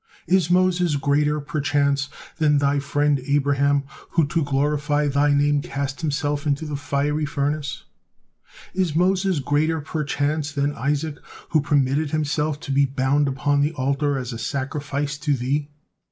Is Moses greater, perchance, than Thy friend Abraham, who to glorify Thy name cast himself into the fiery furnace? Is Moses greater, perchance, than Isaac, who permitted himself to be bound upon the altar as a sacrifice to Thee?